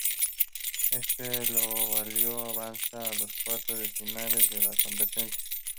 Esto le valió avanzar a los cuartos de finales de la competencia.